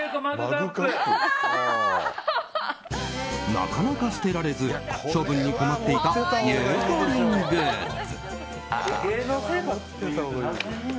なかなか捨てられず処分に困っていたゆうこりんグッズ。